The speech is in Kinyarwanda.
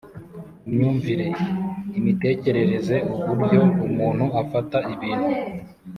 imyumvire: imitekerereze, uburyo umuntu afata ibintu